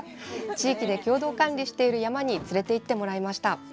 地域で共同管理している山に連れていってもらいました。